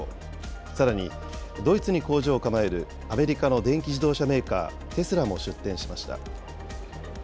さらにドイツに工場を構えるアメリカの電気自動車メーカー、テスラも出展しました。